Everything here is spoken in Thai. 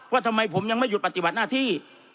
ทำไมผมยังไม่หยุดปฏิบัติหน้าที่